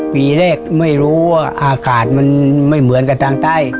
ปีแรกไม่รู้ว่าอากาศมันไม่เหมือนกับทางใต้